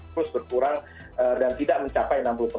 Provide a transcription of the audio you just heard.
terus berkurang dan tidak mencapai